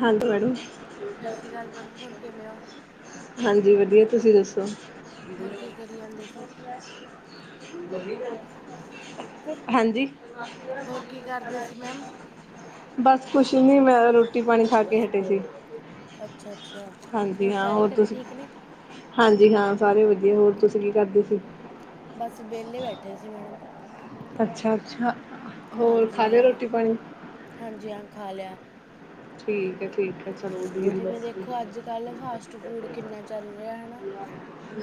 ਹਾਂਜੀ ਮੈਡਮ। ਸਤਿ ਸ਼੍ਰੀ ਅਕਾਲ ਮੈਡਮ ਹੋਰ ਕਿਵੇਂ ਹੋ [inaudible] ਹਾਂਜੀ ਵਧੀਆ, ਤੁਸੀਂ ਦੱਸੋ? ਹੋਰ ਕੀ ਕਰੀ ਜਾਂਦੇ ਸੀ ਹਾਂਜੀ। ਹੋਰ ਕੀ ਕਰਦੇ ਸੀ ਮੈਮ ਬਸ ਕੁਛ ਨੀ ਮੈਂ ਓ ਰੋਟੀ ਰੋਟੀ ਪਾਣੀ ਖਾ ਕੇ ਹਟੇ ਸੀ। ਅੱਛਾ-ਅੱਛਾ, ਹਾਂਜੀ ਹੋਰ ਹਾਂ ਸਾਰੇ ਘਰੇ ਤੁਸੀਂ ਠੀਕ ਨੇ? ਹਾਂਜੀ ਹਾਂ ਸਾਰੇ ਵਧੀਆ, ਹੋਰ ਤੁਸੀਂ ਕੀ ਕਰਦੇ ਸੀ? ਬਸ ਵੇਲੈ ਬੈਠੇ ਸੀ ਮੈਡਮ। ਅੱਛਾ-ਅੱਛਾ। ਹਾਂਜੀ ਹਾਂ-ਹਾਂਜੀ ਹਾਂ ਖਾ ਲਿਆ। ਠੀਕ ਐ ਠੀਕ ਐ। ਜਿਵੇਂ ਦੇਖੋ ਅੱਜ ਕੱਲ੍ਹ ਫਾਸਟ ਫੂਡ ਕਿੰਨਾ ਚੱਲ ਰਿਹਾ ਹੈ। ਹਨਾ।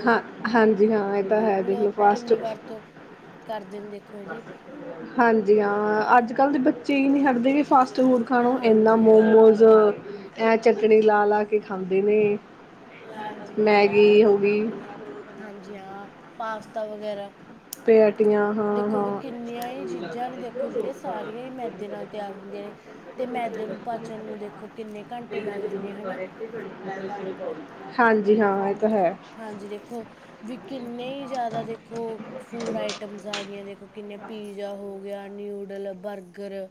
ਹਾਂ, ਹਾਂਜੀ, ਹਾਂ, ਇਹ ਤਾਂ ਹੈ ਦੇਖ ਲੋ ਲੋਕ ਫਾਸਟ ਕਿੰਨੀ ਵਰਤੋਂ ਕਰਦੇ ਨੂੰ ਦੇਖੋ ਜੀ ਹਾਂਜੀ ਹਾਂ, ਅੱਜ ਕੱਲ੍ਹ ਦੇ ਬੱਚੇ ਹੀ ਨਹੀਂ ਹਟਦੇ। ਫਾਸਟ ਫੂਡ ਖਾਣੋ, ਇੰਨਾ ਹਾਂਜੀ ਹਾਂ ਮੋਮੋਜ਼, ਐ ਚਟਣੀ ਲਾ -ਲਾ ਕੇ ਖਾਂਦੇ ਨੇ। ਹਾਂਜੀ ਹਾਂ ਮੈਗੀ ਹੋ ਗਈ। ਹਾਂਜੀ। ਹਾਂ, ਪਾਸਤਾ ਵਗੈਰਾ। ਪੇਟੀਆਂ ਹਾਂ ਦੇਖੋ ਵੀ ਹਾਂ ਕਿੰਨੀਆਂ ਹੀ ਚੀਜ਼ਾਂ ਨੇ, ਦੇਖੋ ਜਿਹੜੀਆਂ ਸਾਰੀਆਂ ਹੀ ਮੈਦੇ ਨਾਲ ਤਿਆਰ ਹੁੰਦੀਆਂ ਨੇ। ਤੇ ਮੈਦੇ ਨੂੰ ਪਾਚਣ ਨੂੰ ਦੇਖੋ ਕਿੰਨੇ ਘੰਟੇ ਲੱਗਦੇ ਨੇ ਹਨਾ। ਹਾਂਜੀ। ਹਾਂ, ਇਹ ਤਾਂ ਹੈ। ਹਾਂਜੀ ਦੇਖੋ, ਵੀ ਕਿੰਨੇ ਹੀ ਜ਼ਿਆਦਾ ਦੇਖੋ। ਫੂਡ ਆਈਟਮਸ ਆਗਈਆਂ ਨੇ, ਦੇਖੋ ਕਿਨੇ ਪੀਜ਼ਾ ਹੋ ਗਿਆ, ਨਿਊਡਲਅ, ਬਰਗਰਅ।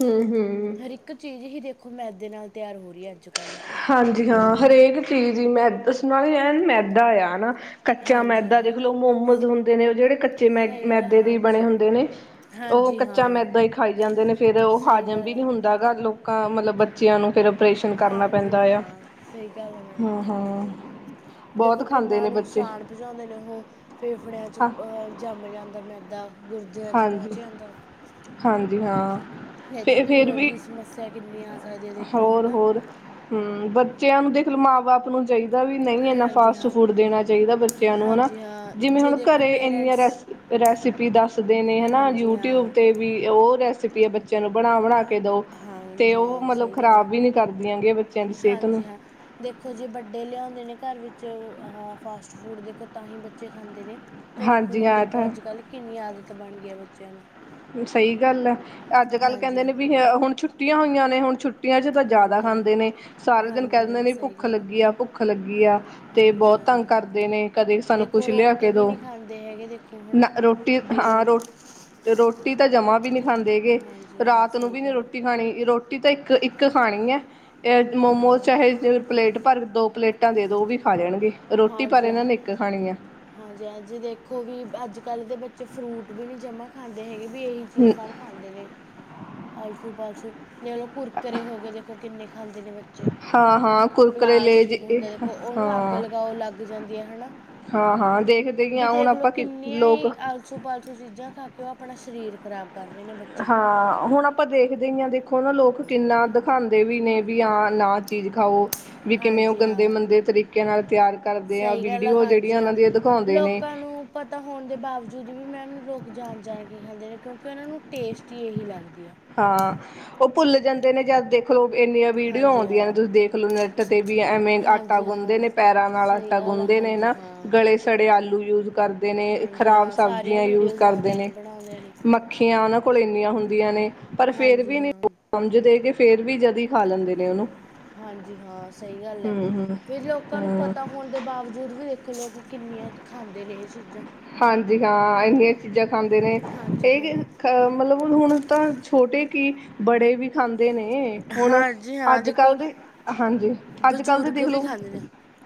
ਹੂੰ- ਹੂੰ। ਹਰ ਇੱਕ ਚੀਜ਼ ਹੀ ਦੇਖੋ ਮੈਦੇ ਨਾਲ ਤਿਆਰ ਹੋ ਰਹੀ ਹੈ ਅੱਜ ਕੱਲ੍ਹ। ਹਾਂਜੀ ਹਾਂ, ਹਰੇਕ ਚੀਜ਼ ਹੀ ਮੈ ਨਾਲ ਹੀ ਮੈਦਾ ਆ ਹਨਾ। ਕੱਚਾ ਹਾਂਜੀ ਮੈਦਾ ਹਾਂ ਦੇਖ ਲਓ ਮੋਮਲ ਹੁੰਦੇ ਨੇ ਉਹ ਜਿਹੜੇ ਕੱਚੇ ਮੈ ਸਹੀ ਗੱਲ ਹੈ ਮੈਦੇ ਦੇ ਬਣੇ ਹਾਂਜੀ ਹੁੰਦੇ ਨੇ। ਉਹ ਹਾਂਜੀ ਕੱਚਾ ਹਾਂ ਮੈਦਾ ਹੀ ਖਾਈ ਜਾਂਦੇ ਨੇ ਫੇਰ ਉਹ ਸਹੀ ਹਾਜ਼ਮ ਗੱਲ ਵੀ ਆ ਨਹੀਂ ਹੁੰਦਾ। ਗਾ, ਲੋਕਾਂ ਮਤਲਬ ਬੱਚਿਆਂ ਨੂੰ ਫੇਰ ਆਪਓਰੇਸ਼ਨ ਕਰਨਾ। ਜੀ ਪੈਂਦਾ ਆ ਹਾਂ, ਸਹੀ ਗੱਲ ਆ ਮੈਡਮ, ਹਾਂ ਹਾਂਜੀ, ਹਾਂ ਦੇਖੋ ਬਹੁਤ ਖਾਂਦੇ ਕਿੰਨਾ ਨੇ ਬੱਚੇ ਨੁਕਸਾਨ ਭਜਾਉਂਦੇ ਨੇ ਉਹ, ਫੇਫੜਿਆਂ ਚ' ਹਾਂ ਅਹ ਜੰਮ ਜਾਂਦਾ ਮੈਦਾ। ਗੁਰਦਿਆਂ ਚ' ਹਾਂਜੀ ਪਹੁੰਚ ਜਾਂਦਾ। ਹਾਂਜੀ, ਹਾਂ। ਇਹ ਚੋਂ ਲੀਵਰ ਦੀਆਂ ਸਮੱਸਿਆ ਕਿੰਨੀਆਂ ਹੋਰ- ਹੋਰ ਹਮ, ਬੱਚਿਆਂ ਨੂੰ ਦੇਖ ਲ ਮਾਂ- ਬਾਪ ਨੂੰ ਚਾਹੀਦਾ ਵੀ ਨਹੀਂ ਇੰਨਾ ਹਾਂਜੀ ਫਾਸਟ ਹਾਂ ਫੂਡ ਦੇਣਾ ਚਾਹੀਦਾ ਬੱਚਿਆਂ ਨੂੰ ਹਨਾ। ਹਾਂਜੀ ਹਾਂ ਜਿਵੇਂ ਜੇ ਹੁਣ ਦੇਖੋ ਘਰੇ ਇੰਨੀਆਂ ਪੇਰੈਂਟਸ ਰੈਸਪੀ ਦੱਸਦੇ ਨੇ ਹਨਾ। ਹਾਂਜੀ ਯੂਟਿਊਬ ਹਾਂ ਤੇ ਵੀ ਉਹ ਰੈਸਪੀ ਹੈ ਬੱਚੇ ਬੱਚਿਆਂ ਨੂੰ ਬਣਾ- ਬਣਾ ਕੇ ਦੋ, ਹਾਂਜੀ ਤੇ ਉਹ ਹਾਂ ਮਤਲਬ ਸਹੀ ਗੱਲ ਹੈ ਖ਼ਰਾਬ ਵੀ ਨੀ ਕਰਦੀਆਂ ਗਈਆਂ ਬੱਚਿਆਂ ਦੀ ਸਿਹਤ ਨੂੰ। ਹਾਂਜੀ ਹਾਂ ਦੇਖੋ ਜੇ ਵੱਡੇ ਲਿਆਉਂਦੇ ਨੇ ਘਰ ਵਿੱਚ ਅਹ ਫਾਸਟ ਫੂਡ ਦੇਖੋ ਤਾਂ ਹੀ ਬੱਚੇ ਖਾਂਦੇ ਨੇ। ਤ ਦੇਖੋ ਹਾਂਜੀ ਹੁਣ ਹਾਂ ਇਹ ਦੇਖੋ ਤਾਂ ਅੱਜ ਕੱਲ੍ਹ ਕਿੰਨੀ ਆਦਤ ਬਣ ਗਈ ਹੈ ਬੱਚਿਆਂ ਨੂੰ। ਸਹੀ ਗੱਲ ਹੈ। ਅੱਜ ਕੱਲ ਹਾਂਜੀ ਕਹਿੰਦੇ ਹਾਂ ਨੇ ਵੀ ਹੁਣ ਛੁੱਟੀਆਂ ਹੋਈਆਂ ਨੇ, ਹੁਣ ਛੁੱਟੀਆਂ ਛੁੱਟੀਆਂ 'ਚ ਤਾਂ ਜ਼ਿਆਦਾ ਹਾਂਜੀ ਹਾਂ ਖਾਂਦੇ ਨੇ, ਸਾਰੇ ਦਿਨ ਕਹਿ ਹਾਂਜੀ ਦਿੰਦੇ ਹਾਂ ਨੇ ਸਹੀ ਭੁੱਖ ਗੱਲ ਹੈ ਲੱਗੀ ਆ, ਭੁੱਖ ਲੱਗੀ ਆ। ਤੇ ਹਾਂਜੀ ਬਹੁਤ ਹਾਂ ਤੰਗ ਕਰਦੇ ਨੇ, ਕਦੇ ਸਾਨੂੰ ਦੇਖੋ ਕੁਛ ਲਿਆ ਰੋਟੀ ਕੇ ਵੀ ਦਿਉ, ਨਹੀਂ ਖਾਂਦੇ ਹੈਗੇ ਦੇਖੋ ਹੈ ਨਾ ਰੋਟੀ ਵੀ ਹਾਂ ਰੋਟੀ ਰੋਟੀ ਤਾਂ ਜਮਾ ਵੀ ਨਹੀਂ ਖਾਂਦੇ ਗੇ। ਹਾਂਜੀ ਹਾਂ ਰਾਤ ਨੂੰ ਸਹੀ ਵੀ ਨੀ ਗੱਲ ਰੋਟੀ ਖਾਣੀ ਰੋ ਰੋਟੀ ਤਾਂ ਇੱਕ ਇੱਕ ਖਾਣੀ ਹੈ। ਹਾਂਜੀ ਮੋਮੋਜ਼ ਹਾਂ ਚਾਹੇ ਪਲੇਟ ਭਰ, ਦੋ ਪਲੇਟਾਂ ਦੇ ਦੋ ਵੀ ਖਾ ਜਾਣਗੇ। ਹਾਂਜੀ ਹਾਂ। ਹਾਂਜੀ- ਹਾਂਜੀ ਦੇਖੋ ਵੀ ਅੱਜ ਕੱਲ੍ਹ ਦੇ ਬੱਚੇ ਫਰੂਟ ਵੀ ਨੀ ਜਮਾ ਖਾਂਦੇ ਹੈਗੇ, ਵੀ ਇਹੀ ਸਭ ਖਾਂਦੇ ਨੇ, ਆਲਸੂ- ਪਾਲਸੂ। ਚਲੋ ਕੁਰਕਰੇ ਹੋ ਗਏ ਦੇਖੋ ਕਿੰਨੇ ਖਾਂਦੇ ਨੇ ਬੱਚੇ, ਹਾਂ ਹਾਂ ਕੁਰਕਰੇ ਲੇਜ ਪਲਾਸਟਿਕ ਹੁੰਦਾ ਦੇਖੋ ਉਹਨੂੰ ਅੱਗ ਅੱ ਹਾਂ ਲਗਾਓ ਲੱਗ ਜਾਂਦੀਆਂ ਹਨਾ। ਹਾਂ ਹਾਂ ਦੇਖਦੇ ਹੀ ਵੀ ਹਾਂ ਹੁਣ ਦੇਖਲਓ ਆਪਾਂ ਕਿ ਕਿੰਨੀਆਂ ਹੀ ਲੋਕ ਸੂ- ਪਾਲਤੂ ਚੀਜ਼ਾਂ ਖਾ ਕੇ ਉਹ ਆਪਣਾ ਸਰੀਰ ਖਰਾਬ ਕਰ ਰਹੇ ਨੇ ਬੱਚੇ। ਹਾਂ। ਹੁਣ ਆਪਾਂ ਦੇਖਦੇ ਹੀ ਹਾਂ ਦੇ ਦੇਖੋ ਨਾ ਲੋਕ ਕਿੰਨਾ ਹਾਂਜੀ ਦਿਖਾਉਂਦੇ ਵੀ ਨੇ, ਵੀ ਹਾਂ ਨਾ ਚੀਜ਼ ਖਾਓ। ਵੀ ਕਿਵੇਂ ਉਹ ਹਾਂਜੀ ਗੰਦੇ- ਹਾਂ ਮੰੰਦੇ ਤਰੀਕੇ ਨਾਲ ਤਿਆਰ ਕਰਦੇ ਆ। ਸਹੀ ਗੱਲ ਵੀਡੀਓ ਜਿਹੜੀਆਂ ਹਾਂਜੀ ਹਾਂ। ਉਹਨਾਂ ਦੀਆਂ ਦਿਖਾਉਂਦੇ ਨੇ। ਲੋਕਾਂ ਨੂੰ ਪਤਾ ਹੋਣ ਦੇ ਬਾਵਜੂਦ ਵੀ ਮੈਮ ਲੋਕ ਜਾਣ ਜਾਣ ਕੇ ਖਾਂਦੇ ਨੇ, ਕਿਉਂਕਿ ਉਹਨਾਂ ਨੂੰ ਟੇਸਟੀ ਇਹੀ ਲੱਗਦੀ ਆ। ਹਾਂ, ਉਹ ਭੁੱਲ ਜਾਂਦੇ ਨੇ ਜਦ ਦੇ ਦੇਖਲਓ ਇੰਨੀਆਂ ਵੀਡੀਓ ਹਾਂਜੀ ਆਉਂਦੀਆਂ ਨੇ ਹਾਂ, ਤੁਸੀਂ ਦੇਖ ਲਓ ਨੈੱਟ ਤੇ ਵੀ ਐਵੇਂ ਆਟਾ ਹਾਂਜੀ ਗੁੰਦੇ ਹਾਂ। ਨੇ ਪੈਰਾਂ ਨਾਲ। ਸਹੀ ਗੱਲ ਗੁੰਨਦੇ ਨੇ ਹਾਂਜੀ ਨਾ -ਹਾਂਜੀ। ਗਲੇ ਸੜੇ ਆਲੂ ਯੂਜ ਕਰਦੇ। ਕਰਦੇ ਨੇ ਹਾਂਜੀ ਖਰਾਬ ਹਾਂ ਸਾਰੀਆਂ ਸਬਜ਼ੀਆਂ ਯੂਜ ਵੀਡੀਓਜ਼ ਕਰਦੇ ਆਉਂਦੀਆਂ ਨੇ। ਬਣਾਉਂਦਿਆਂ ਨੇ। ਮ ਅੱਖੀਆਂ ਉਹਨਾਂ ਕੋਲ ਇੰਨੀਆਂ ਹੁੰਦੀਆਂ ਨੇ, ਪਰ ਫੇਰ ਹਾਂਜੀ ਵੀ ਨਹੀਂ। ਹਾਂ, ਸਮਝ ਦੇ ਕੇ ਫੇਰ ਵੀ ਜਦੀ ਖਾ ਲੈਂਦੇ ਨੇ ਉਹਨੂੰ। ਹਾਂਜੀ ਹਾਂ ਸਹੀ ਗੱਲ ਹੂੰ ਹੈ। ਹੂੰ ਫਿਰ ਲੋਕਾਂ ਨੂੰ ਹੂੰ ਪਤਾ ਹੋਣ ਦੇ ਬਾਵਜੂਦ ਵੀ ਦੇਖੋ, ਲੋਕ ਕਿੰਨੀਆਂ ਖਾਂਦੇ ਨੇ ਇਹ ਚੀਜ਼ਾਂ। ਹਾਂਜੀ ਹਾਂ ਇੰਨੀਆਂ ਚੀਜ਼ਾਂ ਖਾਂਦੇ ਨੇ ਹਾਂਜੀ ਇਹ ਹਾਂ, ਅ ਮਤਲਬ ਹੁਣ ਤਾਂ ਛੋਟੇ ਕੀ ਬੜੇ ਵੀ ਖਾਂਦੇ ਨੇ ਹੁਣ, ਹਾਂਜੀ ਹਾਂ ਦੇਖੋ ਅੱਜਕੱਲ ਦੇ, ਹਾਂਜੀ ਅੱਜਕੱਲ੍ਹ ਦੀ ਬਜ਼ੁਰਗ ਦੇਖ ਵੀ ਲੋ ਖਾਂਦੇ ਨੇ।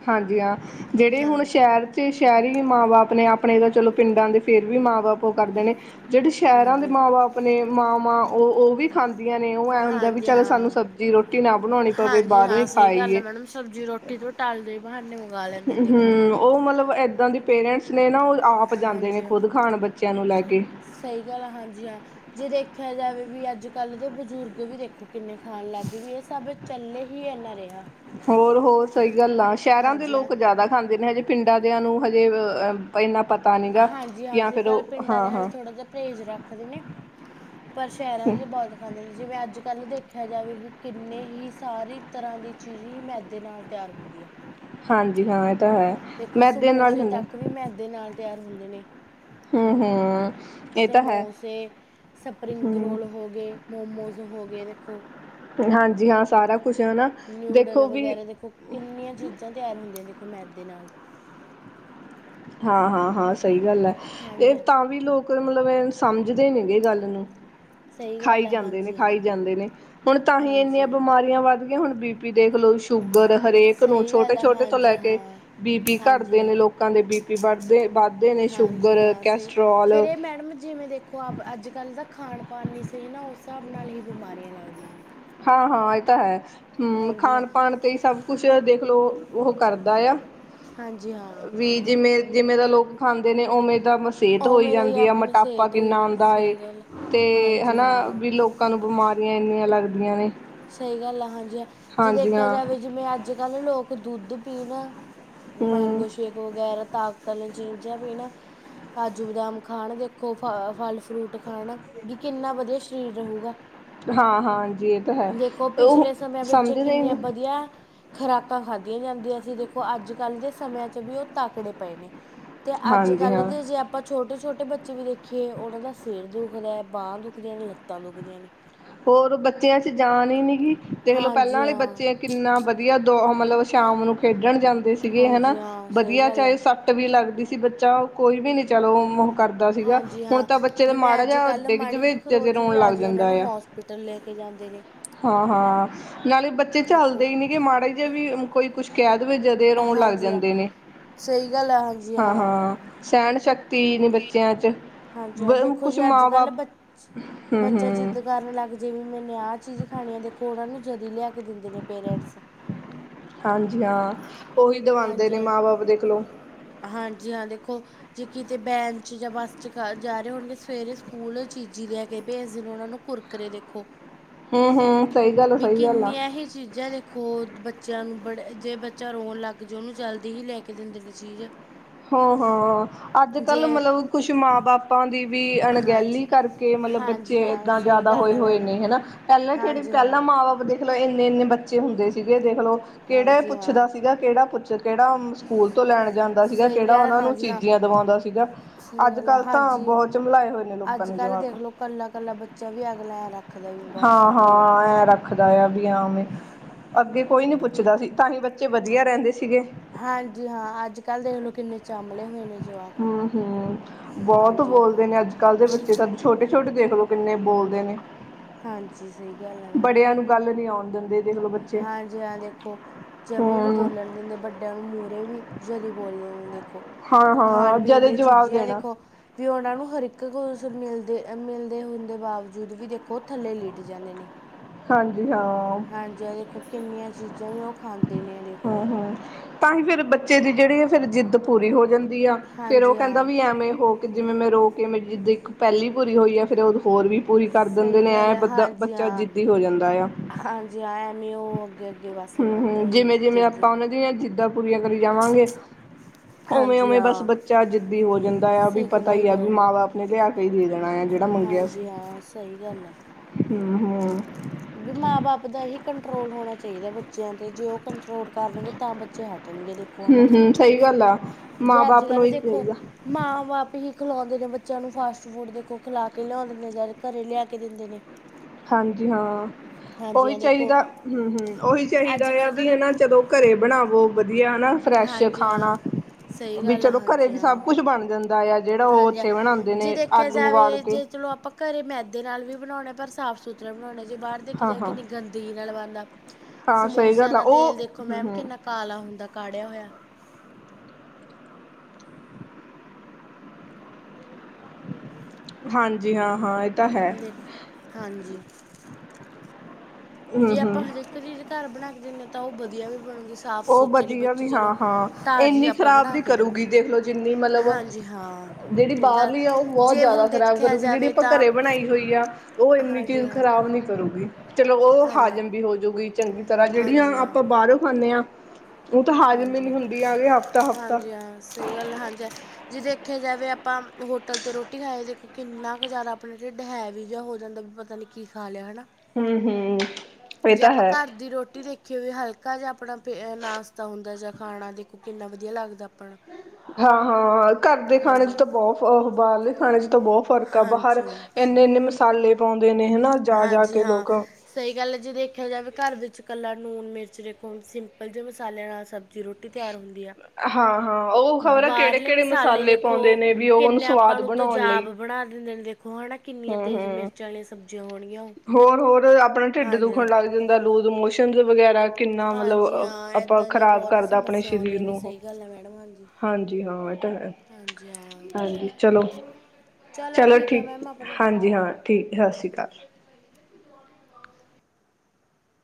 ਹਾਂਜੀ ਹਾਂ ਜਿਹੜੇ ਹਾਂ, ਹੁਣ ਸ਼ਹਿਰ ਸ਼ਹਿਰੀ ਮਾਂ -ਬਾਪ ਨੇ ਆਪਣੇ, ਤਾਂ ਚਲੋ ਪਿੰਡਾਂ ਦੇ ਫੇਰ ਵੀ ਮਾਂ- ਬਾਪ ਉਹ ਕਰਦੇ ਨੇ ਜਿਹੜੇ ਸ਼ਹਿਰਾਂ ਦੇ ਹਾਂਜੀ। ਮਾਂ- ਬਾਪ ਨੇ ਮਾਂਵਾਂ ਉਹ ਉਹ ਵੀ ਖਾਂਦੀਆਂ ਨੇ ਉਹ। ਐਂ ਹੁੰਦਾ ਵੀ ਹਾਂਜੀ ਚੱਲ, ਸਾਨੂੰ ਹਾਂ। ਸਬਜ਼ੀ -ਰੋਟੀ ਨਾ ਬਣਾਉਣੀ ਪਵੇ, ਹਾਂਜੀ ਬਾਹਰੋਂ ਹੀ ਖਾਈਏ। ਟਲਦੇ ਹੀ ਬਹਾਨੇ ਮੰਗ ਲੈਂਦੇ ਨੇ, ਦੇਖੋ। ਹੂੰ ਉਹ ਮਤਲਬ ਇੱਦਾਂ ਦੀ ਪੇਰੈਂਟਸ ਨੇ ਨਾ ਉਹ ਆਪ ਜਾਂਦੇ ਨੇ ਹਾਂਜੀ ਹਾਂ ਖੁਦ ਖਾਣ ਬੱਚਿਆਂ ਨੂੰ ਲੈ ਕੇ। ਸਹੀ ਗੱਲ ਆ ਹਾਂਜੀ ਹਾਂ। ਜੇ ਦੇਖਿਆ ਜਾਵੇ ਵੀ, ਅੱਜ -ਕੱਲ ਦੇ ਬਜ਼ੁਰਗ ਵੀ ਦੇਖੋ ਕਿੰਨੇ ਖਾਣ ਲੱਗ ਵੀ, ਇਹ ਸਭ। ਚੱਲੇ ਹੀ ਇੰਨਾ ਰਿਹਾ। ਹੋਰ ਹੋਰ ਸਹੀ ਗੱਲ ਆ ਸ਼ਹਿਰਾਂ ਦੇ ਹਾਂਜੀ ਹਾਂ। ਲੋਕ ਜ਼ਿਆਦਾ ਖਾਂਦੇ ਨੇ ਹਜੇ ਪਿੰਡਾਂ ਦੀਿਆਂ ਨੂੰ ਹਜੇ ਇੰਨਾ ਪਤਾ ਨਹੀਂ ਹੈਗਾ ਜਾਂ ਫਿਰ ਉਹ। ਹਾਂ-ਹਾਂ। ਬੜਾ ਪਰਹੇਜ਼ ਰੱਖਦੇ ਨੇ। [unintelligible] ਪਰ ਸ਼ਹਿਰਾਂ ਚ ਬਹੁਤ ਖਾਂਦੇ ਨੇ, ਜਿਵੇਂ ਅੱਜ ਕੱਲ੍ਹ ਦੇਖਿਆ ਜਾਵੇ ਵੀ ਕਿੰਨੇ ਹੀ ਸਾਰੇ ਤਰ੍ਹਾਂ ਦੀ ਚੀਜ਼ ਹੀ ਮੈਦੇ ਨਾਲ ਤਿਆਰ ਹੁੰਦੀ ਆ। ਹਾਂਜੀ ਹਾਂ ਇਹ ਤਾਂ ਹੈ। ਦੇਖੋ ਮੈਦੇ ਨਾਲ ਸਮੋਸੇ ਹੁੰਦਾ ਤੱਕ ਵੀ ਮੈਦੇ ਨਾਲ ਤਿਆਰ ਹੁੰਦੇ ਨੇ। ਹਮ-ਹਮ। ਸਮੋਸੇ, ਸਪਰਿੰਗ ਹੂੰ ਰੋਲ ਹੋ ਗਏ ਮੋਮੋਸ ਹੋ ਗਏ ਦੇਖੋ। ਹਾਂਜੀ ਹਾਂ, ਸਾਰਾ ਕੁਛ ਹਨਾ। ਨਿਊਡਲ ਦੇਖੋ ਵੀ ਵਗੈਰਾ ਦੇਖੋ, ਕਿੰਨੀਆਂ ਚੀਜ਼ਾਂ ਤਿਆਰ ਹੁੰਦੀਆਂ ਦੇਖੋ ਮੈਦ ਦੇ ਨਾਲ। ਹਾਂ- ਹਾਂ- ਹਾਂ ਸਹੀ ਗੱਲ ਹੈ ਇਹ ਹਾਂਜੀ ਹਾਂ ਤਾਂ ਵੀ ਲੋਕ ਮਤਲਬ ਸਮਝਦੇ ਨੀ ਗ ਗੱਲ ਨੂੰ। ਸਹੀ ਗੱਲ ਖਾਈ ਹੈ ਜਾਂਦੇ ਨੇ- ਹਾਂਜੀ ਹਾਂ ਖਾਈ ਮੈਡਮ ਜਾਂਦੇ ਨੇ ਹੁਣ ਤਾਂਹੀ ਹਾਂਜੀ ਇੰਨੀਆਂ ਹਾਂ ਬਿਮਾਰੀਆਂ ਵੱਧ ਹੁਣ ਬੀ ਪੀ ਦੇਖ ਲੋ। ਸ਼ੂਗਰ ਹਰੇਕ ਨੂੰ ਸਹੀ ਗੱਲ ਛੋਟੇ- ਹੈ ਛੋਟੇ ਤੋਂ ਲੈ ਹਾਂਜੀ ਕੇ ਹਾਂ ਬੀ ਪੀ ਹਾਂਜੀ ਕਰਦੇ ਨੇ ਹਾਂ ਲੋਕ। ਲੋਕਾਂ ਦੇ ਬੀਪੀ ਵੱਧਦੇ -ਵੱਧਦੇ ਨੇ, ਸ਼ੂਗਰ, ਹਾਂਜੀ ਹਾਂ ਸਹੀ ਕੈਸਟਰੋਲ। ਫਿਰ ਇਹ ਮੈਡਮ ਜਿਵੇਂ ਦੇਖੋ, ਅੱਜ -ਕੱਲ੍ਹ ਦਾ ਖਾਣ -ਬਾਣ ਨੀ ਸਹੀ ਨਾ ਉਸ ਹਿਸਾਬ ਨਾਲ ਹੀ ਬਿਮਾਰੀਆਂ ਲੱਗਦੀਆਂ ਨੇ। ਹਾਂ-ਹਾਂ ਇਹ ਤਾਂ ਹੈ, ਹੂੰ ਹਾਂਜੀ ਹਾਂ ਖਾਣ-ਪਾਣ ਤੇ ਹੀ ਸਭ ਕੁਛ ਦੇਖ ਲਓ ਉਹ ਕਰਦਾ ਆ ਹਾਂਜੀ ਹਾਂ ਵੀ ਜਿਵੇਂ ਜਿਵੇਂ ਦਾ ਲੋਕ ਖਾਂਦੇ ਨੇ ਉਵੇਂ ਦਾ ਮ ਸਿਹਤ ਹੋਈ ਉਵੇਂ ਦਾ ਹੀ ਜਾਂਦੀ ਆ ਆਪਣੀ ਮੋਟਾਪਾ ਸਿਹਤ ਕਿੰਨਾ ਹੋਈ ਆਉਂਦਾ ਸਹੀ ਗੱਲ ਤੇ ਆ। ਹਾਂਜੀ ਹਨਾ ਹਾਂ ਵੀ ਲੋਕ ਲੋਕਾ ਨੂੰ ਬਿਮਾਰੀਆਂ ਇੰਨੀਆਂ ਲੱਗਦੀਆਂ ਨੇ। ਸਹੀ ਗੱਲ ਆ ਹਾਂਜੀ ਜੇ ਹਾਂਜੀ ਦੇਖਿਆ ਹਾਂ ਜਾਵੇ ਜਿਵੇਂ ਅੱਜ ਕੱਲ੍ਹ ਲੋਕ ਦੁੱਧ ਪੀਣ। ਹਮ ਮੈਂਗੋ ਸ਼ੇਕ ਵਗੈਰਾ ਤਾਕਤ ਵਾਲੀ ਚੀਜ਼ਾਂ ਵੀ ਨਾ। ਕਾਜੂ ਬਦਾਮ ਖਾਣ ਦੇਖੋ ਫਲ ਫਰੂਟ ਖਾਣ ਵੀ ਕਿੰਨਾ ਵਧੀਆ ਸਰੀਰ ਰਹੇਗਾ। ਹਾਂ ਹਾਂਜੀ। ਤਾਂ ਹੈ ਦੇਖੋ ਉਹ ਪਿਛਲੇ ਸਮੇਂ ਵਿੱਚ ਸਮਝਦੇ ਹੀ ਕਿੰਨੀਆਂ ਨਹੀਂ ਵਧੀਆ ਖੁਰਾਕਾਂ ਖਾਧੀਆਂ ਜਾਂਦੀਆਂ ਸੀ। ਦੇਖੋ, ਅੱਜ- ਕੱਲ੍ਹ ਦੇ ਸਮਿਆਂ 'ਚ ਵੀ ਉਹ ਤਾਕੜੇ ਪਏ ਨੇ। ਤੇ ਅੱਜ ਹਾਂਜੀ ਕੱਲ੍ਹ ਹਾਂ ਦੇ ਜੇ ਆਪਾਂ ਛੋਟੇ -ਛੋਟੇ ਬੱਚੇ ਵੀ ਦੇਖੀਏ ਉਹਨਾਂ ਦਾ ਸਿਰ ਦੁਖਦਾ ਬਾਂਹ ਦੁਖਦੀਆਂ ਨੇ ਲੱਤਾਂ ਦੁਖਦੀਆਂ ਨੇ। ਹੋਰ ਬੱਚਿਆਂ ਚ ਜਾਨ ਹੀ ਨੀ ਗੀ ਦੇਖਲੋ ਪਹਿਲਾਂ ਹਾਂਜੀ ਵਾਲੇ ਹਾਂ ਬੱਚੇ ਕਿੰਨਾ ਵਧੀਆ ਦੋ ਮਤਲਬ ਸ਼ਾਮ ਨੂੰ ਖੇਡਣ ਜਾਂਦੇ ਸੀਗੇ, ਹਨਾ ਹਾਂਜੀ ਹਾਂ ਸਹੀ ਵਧੀਆ ਗੱਲ ਚਾਹੇ ਹੈ ਸਭ। ਵੀ ਲੱਗਦੀ ਸੀ। ਬੱਚਾ ਕੋਈ ਵੀ ਨੀ। ਚਲੋ। ਕਰਦਾ ਸੀਗਾ ਹਾਂਜੀ ਹੁਣ ਹਾਂ ਤਾਂ ਬੱਚੇ ਦੇ ਜਿਵੇਂ ਮਾੜਾ ਅੱਜ ਜਿਹਾ ਕੱਲ੍ਹ ਡਿੱਗ ਜਾਵੇ ਜ ਤੇ ਰੋਣ ਲੱਗ ਜਾਂਦਾ ਆ। ਪਿਟਲ ਲੈ ਕੇ ਜਾਂਦੇ ਨੇ ਹਾਂ -ਹਾਂ ਨਾਲੇ ਬੱਚੇ ਦੇਖੋ ਝੱਲਦੇ ਹੀ ਨੀ ਗ ਮਾੜਾ ਜਿਹੇ ਵੀ ਕੋਈ ਕੁਛ ਕੈਦ, ਜਦੇ ਰੋਣ ਲੱਗ ਹਾਂਜੀ ਹਾਂ ਜਾਂਦੇ ਨੇ। ਸਹੀ ਗੱਲ ਆ ਹਾਂਜੀ ਹਾਂ ਹਾਂ-ਹਾਂ। ਸਹਿਣ ਸ਼ਕਤੀ ਨੀ ਬੱਚਿਆਂ ਚ ਹਾਂਜੀ ਹਾਂ ਦੇਖੋ ਜੀ ਕੁਛ ਅੱਜ ਮਾਂ ਕੱਲ ਬਾਪ ਬ ਬੱਚਾ ਹੂੰ-ਹੂੰ ਜਿੱਦ ਕਾਰਨ ਲੈ ਕੇ। ਜਿਵੇਂ ਮੈਂ ਨ ਆਹ ਚੀਜ਼ ਖਾਣੀ ਆ ਦੇਖੋ ਉਹਨਾਂ ਨੂੰ ਜਦੀ ਲਿਆ ਕੇ ਦਿੰਦੇ ਨੇ ਪੇਰੈਂਟਸ। ਹਾਂਜੀ ਹਾਂ, ਉਹੀ ਦਵਾਂਦੇ ਹਾਂਜੀ ਨੇ ਹਾਂ ਮਾਂ-ਬਾਪ ਦੇਖਲੋ। ਹਾਂਜੀ ਹਾਂ ਦੇਖੋ ਜੇ ਕਿਤੇ ਬੈਂਚ ਜਾਂ ਬੱਸ ਜਾ ਰਹੇ ਹੋਣਗੇ। ਸਵੇਰੇ ਸਕੂਲ ਚੀਜੀ ਲੈ ਕੇ ਭੇਜਦੇ ਨੇ ਉਹਨਾਂ ਨੂੰ। ਕੁਰਕਰੇ ਦੇਖੋ। ਹੂੰ ਹੂੰ ਸਹੀ ਗੱਲ ਆ ਸਹੀ ਗੱਲ ਆ। ਇਹੀ ਚੀਜ਼ਾਂ ਦੇਖੋ ਹੋਰ ਬੱਚਿਆਂ ਨੂੰ, ਬੜੇ ਜੇ ਬੱਚਾ ਰੋਣ ਲੱਗ ਜਾਏ, ਉਹਨੂੰ ਜਲਦੀ ਹੀ ਲੈ ਕੇ ਦਿੰਦੇ ਨੇ ਚੀਜ਼। ਹਾਂ ਹਾਂ ਅੱਜ ਕੱਲ ਜੇ ਮਤਲਬ ਕੁਛ ਮਾਂ ਬਾਪਾਂ ਦੀ ਵੀ ਅਣਗਹਿਲੀ ਹਾਂਜੀ ਕਰਕੇ ਮਤਲਬ ਹਾਂਜੀ ਬੱਚੇ ਹਾਂ ਇਦਾਂ ਸਹੀ ਜ਼ਿਆਦਾ ਗੱਲ ਹੋਏ ਹੈ ਹੋਏ ਮੈਡਮ ਨੇ ਹਨਾ। ਪਹਿਲਾਂ ਕਿਹੜੇ ਹਾਂਜੀ ਪਹਿਲਾਂ ਹਾਂ ਮਾਂ ਬਾਪ ਦੇਖ ਦੇਖਲਓ ਇੰਨੇ ਇੰਨੇ ਬੱਚੇ ਹੁੰਦੇ ਸੀਗੇ ਦੇਖਲੋ ਕਿਹੜਾ ਹਾਂਜੀ ਪੁੱਛਦਾ ਹਾਂ ਸੀਗਾ। ਕਿਹੜਾ ਕੁਛ ਕਿਹੜਾ ਸਕੂਲ ਤੋਂ ਲੈਣ ਜਾਂਦਾ। ਸੀਗਾ ਸਹੀ ਕਿਹੜਾ ਗੱਲ ਉਹਨਾ ਨੂੰ ਹਾਂਜੀ ਹਾਂ ਚੀਜ਼ੀਆਂ ਦਿਵਾਉਂਦਾ ਸੀਗਾ, ਸਹੀ ਗੱਲ ਹੈ ਅੱਜਕੱਲ੍ਹ ਤਾਂ ਹਾਂਜੀ ਬਹੁਤ ਚਮਲਾਏ ਹੋਏ ਨੇ ਲੋਕਾਂ ਨੇ ਜਵਾਕ। ਕੱਲਾ ਕੱਲਾ ਬੱਚਾ ਵੀ ਅਗ [unintelligible] ਹਾਂ-ਹਾਂ ਐ ਰੱਖਦਾ ਆ। ਵੀ ਹਵੇ ਅੱਗੇ ਕੋਈ ਨੀ ਪੁੱਛਦਾ ਸੀ, ਤਾਂਹੀ ਬੱਚੇ ਵਧੀਆ ਹਾਂਜੀ ਰਹਿੰਦੇ ਸੀਗੇ ਹਾਂਜੀ ਹਾਂ ਅੱਜ ਕੱਲ੍ਹ ਦੇਖਲ ਕਿੰਨੇ ਚਮਲੇ ਹੋਏ ਨੇ। ਜਵਾਕ ਹਾਂ ਹਾਂ ਬਹੁਤ ਹਾਂਜੀ ਬੋਲਦੇ ਹਾਂ ਨੇ ਅੱਜ। ਅੱਜਕੱਲ੍ਹ ਦੇ ਬੱਚੇ ਤਾਂ ਛੋਟੇ-ਛੋਟੇ ਦੇਖ ਲੋ ਕਿੰਨੇ ਬੋਲਦੇ ਨੇ। ਹਾਂਜੀ ਸਹੀ ਗੱਲ ਏ ਮੈਡਮ। ਬੜਿਆਂ ਨੂੰ ਗੱਲ ਨੀ ਆਉਣ ਦਿੰਦੇ ਦੇਖਲੋ ਬੱਚ ਹਾਂਜੀ ਹਾਂ ਦੇਖੋ ਜਵੇਂ ਨਹੀ ਬੋਲਣ ਦਿੰਦੇ ਵੱਡੇ ਡਿਆਂ ਨੂੰ ਮੂਹਰੇ ਵੀ ਜਲੀ ਬੋਲਦੇ ਨੇ ਦੇਖੋ ਹਾਂ ਖਾਣ ਹਾਂ ਪੀਣ ਜਦੇ ਦੀਆਂ ਜਵਾਬ ਚੀਜ਼ਾਂ ਦੇਣਾ ਦੇਖੋ ਵੀ ਉਹਨਾਂ ਨੂੰ ਹਰਿਕ ਕੁਛ ਮਿਲਦੇ ਅ ਮਿਲਦੇ ਹੁੰਦੇ ਬਾਵਜੂਦ ਵੀ ਦੇਖੋ ਓਹ ਥੱਲੇ ਲਿਟ ਜਾਂਦੇ ਨੇ। ਹਾਂਜੀ ਹਾਂ। ਹਾਂਜੀ ਦੇਖੋ ਕਿੰਨੀਆਂ ਚੀਜ਼ਾਂ ਹੀ ਉਹ ਖਾਂਦੇ ਨੇ। ਦੇਖ ਹਮ ਲਓ ਹਮ ਤਾਂ ਹੀ ਫੇਰ ਬੱਚੇ ਦੀ ਜਿਹੜੀ ਆ ਫੇਰ ਜਿੱਦ ਪੂਰੀ ਹੋ ਜਾਂਦੀ ਆ, ਫੇਰ ਉਹ ਹਾਂਜੀ ਕਹਿੰਦਾ ਹਾਂ ਵੀ ਐਵੇਂ ਹੋ ਜਿਵੇਂ ਮੈਂ ਰੋ ਕੇ ਮੇਰੀ ਜਿੱਦ ਇੱਕ ਪਹਿਲੀ ਪੂਰੀ ਹੋਈ ਹੈ ਫਿਰ ਉਦੋਂ ਹੋਰ ਵੀ ਪੂਰੀ ਕਰ ਦਿੰਦੇ ਸਹੀ ਨੇ ਐ ਗੱਲ ਹੈ ਬਚ ਹਾਂਜੀ ਬੱਚਾ ਹਾਂ ਜਿੱਦੀ ਹੋ ਜਾਂਦਾ ਆ। ਹਾਂਜੀ ਐ ਮੀ ਹੋਰ ਅੱਗੇ-ਅੱਗੇ ਹੂੰ-ਹੂੰ ਜਿਵੇਂ-ਜਿਵੇਂ ਆਪਾਂ ਉਹਨਾਂ ਦੀਆਂ ਜਿੱਦਾਂ ਪੂਰੀਆਂ ਕਰੀ ਜਾਵਾਂਗੇ ਉਵੇਂ ਹਾਂਜੀ ਉਵੇਂ ਬਸ ਹਾਂ ਬੱਚਾ ਜਿੱਦੀ ਹੋ, ਜਾਂਦਾ ਆ ਵੀ ਪਤਾ ਸਿੱਖਦਾ ਹੀ ਈ ਆ ਵੀ ਜਾਊਗਾ ਮਾਂ- ਬਾਪ ਲਿਆ ਕੇ ਹੀ ਦੇ ਦੇਣਾ ਆ, ਜਿਹੜਾ ਮੰਗਿਆ ਸੀ ਹਾਂਜੀ ਹਾਂ ਸਹੀ ਹੂੰ ਹੂੰ ਮਾਂ- ਬਾਪ ਦਾ ਹੀ ਕੰਟਰੋਲ ਹੋਣਾ ਚਾਹੀਦਾ ਬੱਚਿਆਂ ਤੇ। ਜੇ ਉਹ ਕੰਟਰੋਲ ਕਰਨਗੇ, ਤਾਂ ਬੱਚੇ ਹਟਣਗੇ। ਕੋ ਨਾ ਹਮ ਹਮ ਸਹੀ ਗੱਲ ਆ ਮਾਂ ਜੇ ਅੱਜ ਬਾਪ ਨੂੰ ਕੱਲ੍ਹ ਹੀ ਦੇਖੋ ਚਾਹੀਦਾ ਮਾਂ ਬਾਪ ਹੀ ਖਿਲਾਉਂਦੇ ਨੇ ਬੱਚਿਆਂ ਨੂੰ ਫਾਸਟ ਫੂਡ ਦੇਖੋ ਖਿਲਾ ਕੇ ਲਿਆਉਂਦੇ ਨੇ ਜ਼ਦਾ ਘਰ ਲਿਆ ਕੇ ਦਿੰਦੇ ਨੇ। ਹਾਂਜੀ ਹਾਂ, ਹਾਂਜੀ ਉਹੀ ਹਾਂ ਦੇਖੋ ਚਾਹੀਦਾ, ਹੂੰ-ਹੂੰ ਉਹੀ ਚਾਹੀਦਾ ਆ ਅੱਜ-ਕੱਲ੍ਹ ਤਾਂ ਵੀ ਹਨਾ ਦੇਖੋ ਜਦੋਂ ਘਰੇ ਬਣਾਵੋ ਵਧੀਆ ਹਨਾ ਫਰੈਸ਼ ਹਾਂਜੀ ਹਾਂ ਖਾਣਾ, ਸਹੀ ਵੀ ਗੱਲ ਆ ਚਲੋ ਘਰੇ ਹਾਂਜੀ ਵੀ ਸਭ ਹਾਂ ਕੁਛ ਬਣ ਜਾਂਦ ਇਆ [unintelligible] ਹਾਂਜੀ ਜੇ ਦੇਖਿਆ ਜਾਵੇ ਉਬਾਲ ਕੇ ਜੇ ਚਲੋ ਆਪਾਂ ਘਰੇ ਮੈਦੇ ਨਾਲ ਵੀ ਬਣਾਉਣੇ ਪਰ ਸਾਫ਼-ਸੁਥਰਾ ਬਣਾਉਣੇ। ਜੇ ਬਾਰ ਦੇਖਿਆ ਹਾਂ ਜਾਵੇ ਹਾਂ ਕਿੰਨੀ ਗੰਦਗੀ ਨਾਲ ਬਣਦਾ। ਹਾਂ ਸਹੀ ਸਮੋਸਿਆਂ ਗੱਲ ਆ ਦਾ ਤੇਲ ਉਹ ਦੇਖੋ ਹਮ ਮੈਮ ਹਮ ਕਿੰਨਾ ਕਾਲਾ ਹੁੰਦਾ ਕਾੜਿਆ ਹੋਯਾ। ਹਾਂਜੀ ਹਾਂ ਹਾਂ ਈਹ ਵੇਖੋ, ਹਾਂਜੀ। ਵੀ ਹਮ ਜੇ ਆਪਾਂ ਹਮ ਹਰੇ ਇੱਕ ਚੀਜ਼ ਘਰ ਬਣਾ ਕੇ ਦਿੰਣੇ ਆਂ ਤਾਂ ਓਹ ਬਧੀਆ ਵੀ ਬਣੂਗੀ। ਸਾਫ ਉਹ ਸੁਥਰੀ ਵਧੀਆ ਬੱਚੇ ਵੀ ਚਲੋ ਹਾਂ ਹਾਂ ਤਾਜ਼ੀ ਇੰਨੀ ਆਪਾਂ ਖ਼ਰਾਬ ਬਣਾ ਨ ਕੇ ਕਰੂਗੀ ਦੇਵਾਂਗੇ ਦੇਖ ਲਓ ਜਿੰਨੀ ਮਤਲਬ ਹਾਂਜੀ ਹਾਂ ਜਿਹੜੀ ਨਹੀਂ ਗੱਲ ਬਾਹਰਲੀ ਆ ਉਹ ਬਹੁਤ ਜੇ ਹੁਣ ਜ਼ਿਆਦਾ ਖਰਾਬ ਦੇਖਿਆ ਕਰੂਗੀ, ਜਿਹੜੀ ਜਾਵੇ ਆਪਾਂ ਤਾਂ ਘਰੇ ਬਣਾਈ ਹੋਈ ਆ ਉਹ ਇੰਨੀ ਹਾਂਜੀ ਚੀਜ਼ ਹਾਂ ਖਰਾਬ ਨਹੀਂ ਕਰੂਗੀ। ਚਲੋ ਉਹ ਹਾਂਜੀ ਹਾਂ ਹਾਜ਼ਮ ਵੀ ਹੋਜੂਗੀ ਚੰਗੀ ਤਰ੍ਹਾਂ, ਜਿਹੜੀਆਂ ਹਾਂਜੀ ਹਾਂ ਆਪਾਂ ਬਾਹਰੋਂ ਖਾਂਦੇ ਹਾਂ ਓਹ ਤਾਂ ਹਾਜਮੇ ਹਾਂਜੀ ਲਈ ਹਾਂ ਹੁੰਦੀ ਆ ਵੀ ਹਫ਼ਤਾ-ਹਫ਼ਤਾ। ਹਾਂਜੀ ਹਾਂ ਸਹੀ ਗੱਲ ਐ ਹਾਂਜੀ। ਜੇ ਦੇਖਿਆ ਜਾਵੇ ਆਪਾਂ ਹੋਟਲ ਤੇ ਰੋਟੀ ਖਾਏ ਦੇਖੋ ਕਿੰਨਾ ਕੁ ਜ਼ਿਆਦਾ ਆਪਣਾ ਢਿੱਡ ਹੈਵੀ ਜਾਂ ਹੋ ਜਾਂਦਾ ਲਗਭਗ। ਪਤਾ ਨਹੀਂ ਕੀ ਖਾ ਲਿਆ ਹੈ ਨਾ। ਹੂੰ, ਹੂੰ। ਇਹ ਜੇ ਤਾਂ ਆਪਾਂ ਹੈ ਘਰ ਦੀ ਰੋਟੀ ਦੇਖੀ ਕਿਵੇਂ ਹਲਕਾ ਜਾ ਅਪਣਾ ਪੇ ਨਾਸ਼ਤਾ ਹੁੰਦੈ ਜਾਂ ਖਾਣਾ ਦੇਖੋ ਕਿੰਨਾ ਵਧੀਆ ਲੱਗਦੈ ਆਪਣ ਹਾਂ ਹਾਂ ਘਰ ਦੇ ਖਾਣੇ ਚ ਤਾਂ ਬਹੁਤ ਫਅ ਬਾਹਰਲੇ ਖਾਣੇ ਚ ਤਾਂ ਬਹੁਤ ਫ਼ਰਕ ਆ ਬਾਹਰ ਹਾਂਜੀ ਏਨੇ-ਇੰਨੇ ਮਸਾਲੇ ਪੌੰਦੇ ਨੇ ਨਾ ਜਾ-ਜਾ ਹਾਂਜੀ ਕੇ ਹਾਂ ਲੋਕ। ਸਹੀ ਗੱਲ ਐ ਜੇ ਦੇਖਿਆ ਜਾਵੇ ਘਰ ਵਿੱਚ ਕੱਲਾ ਲੂਣ- ਮਿਰਚ ਵੇਖੋ ਹੁਣ ਸਿੰਪਲ ਜੇ ਮਸਾਲਿਆਂ ਨਾਲ ਸਭ ਜ ਰੋਟੀ ਤਿਆਰ ਹੁੰਦੀ ਆ ਹਾਂ-ਹਾਂ ਉਹ ਖ਼ਬਰ ਬਾਹਰਲੇ ਕਿਹੜੇ-ਕਿਹੜੇ ਮਸਾਲੇ ਦੇਖੋ, ਪਾਉਂਦੇ ਨੇ ਵੀ ਉਹ ਉਹਨੂੰ ਕਿੰਨੇ ਆਪਾਂ ਸਵਾਦ ਨੂੰ ਬਣਾਉਣ ਲਈ ਤਜ਼ਾਬ ਬਣਾ ਦਿੰਦੇ ਨੇ ਦੇਖੋ ਹੈ ਨਾ ਕਿੰਨੀਆਂ ਤੇਜ਼ ਮਿਰਚਾਂ ਵਾਲੀਆਂ ਸਬਜ਼ੀਆਂ ਹੋਣੀਆਂ ਹੋਰ ਹੋਰ, ਆਪਣਾ ਢਿੱਡ ਦੁਖਣ ਲੱਗ ਜਾਂਦੈ, ਲੂਜ਼-ਮੋਸ਼ਨ ਵਗੈਰਾ ਕਿੰਨਾ ਮਤਲਬ ਹਾਂਜੀ ਅ ਹਾਂ ਅਪਾਂ ਇਦਾਂ ਦੀਆਂ ਖ਼ਰਾਬ ਬਹੁਤ ਕਰਦਾ ਅਪਣੇ ਸਮੱਸਿਆ ਸਰੀਰ ਆਉਂਦੀਆਂ ਨੇ ਨੂੰ ਓਹ। ਸਹੀ ਗੱਲ ਹੈ ਮੈਡਮ ਹਾਂਜੀ ਹਾਂਜੀ ਹਾਂ ਏ ਤਾਂ ਹੈ ਹਾਂਜੀ ਹਾਂ। ਚਲੋ ਹੈ ਠੀਕ, ਮੈਮ ਆਪਣਾ ਟਾਈਮ ਹਾਂਜੀ ਹਾਂ ਠੀਕ ਸੱਤ ਸ੍ਰੀ ਠੀਕ ਕਾਲ।